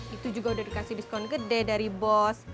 itu juga udah dikasih diskon gede dari bos